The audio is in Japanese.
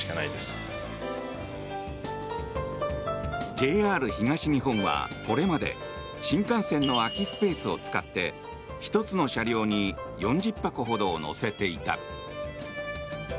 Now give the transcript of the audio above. ＪＲ東日本はこれまで新幹線の空きスペースを使って１つの車両に４０箱ほどを載せていた。